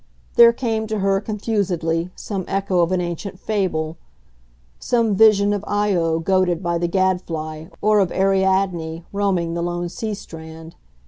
There came to her, confusedly, some echo of an ancient fable some vision of Io goaded by the gadfly or of Ariadne roaming the lone sea strand.